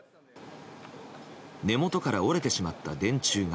根元から折れてしまった電柱が。